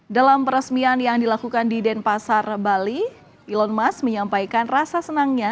dalam peresmian yang dilakukan di denpasar bali elon musk menyampaikan rasa senangnya